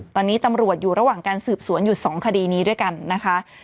ตอนนี้ตำรวจอยู่ระหว่างการสืบสวนอยู่๒คดีนี้ด้วยกันนะคะ